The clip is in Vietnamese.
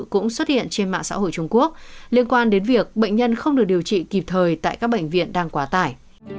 cũng xuất hiện trên mạng xã hội trung quốc liên quan đến việc bệnh nhân không được điều trị kịp thời tại các bệnh viện đang quá tải